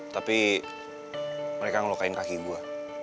tapi mereka ngelukain kaki gue